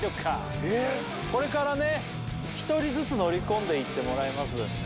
これからね１人ずつ乗り込んでいってもらいます